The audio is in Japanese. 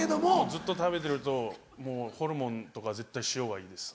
ずっと食べてるともうホルモンとか絶対塩がいいです。